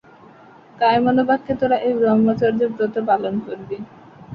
কায়মনোবাক্যে তোরা এই ব্রহ্মচর্যব্রত পালন করবি।